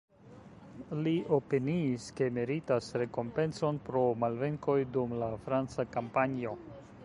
Li opiniis, ke meritas rekompencon pro malvenkoj dum la franca kampanjo.